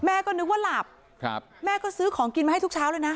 ก็นึกว่าหลับแม่ก็ซื้อของกินมาให้ทุกเช้าเลยนะ